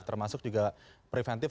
termasuk juga preventif